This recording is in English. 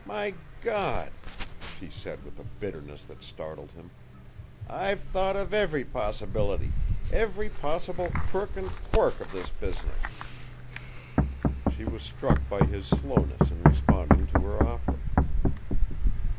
My God!" she said with a bitterness that startled him. "I've thought of every possibility, every possible crook and quirk of this business." She was struck by his slowness in responding to her offer.